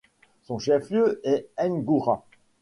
Son chef-lieu est Ngoura.